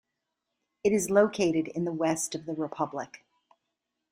It is located in the west of the republic.